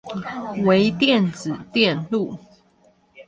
微電子電路